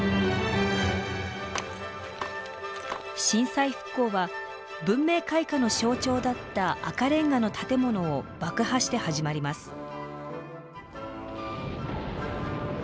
震災復興は文明開化の象徴だった赤レンガの建物を爆破して始まります。